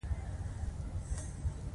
کونړیان ښوروا ته ننګولی وایي